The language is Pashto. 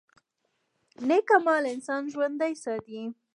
نیک عمل انسان ژوندی ساتي